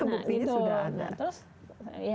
buktinya sudah ada